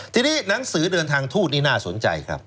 ทีนี้หนังสือเดินทางทูตนี่น่าสนใจครับ